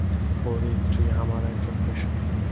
ওর স্ত্রী আমার একজন পেশেন্ট।